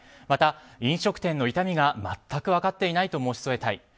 また、飲食店の痛みが全く分かっていないと申し添えたい。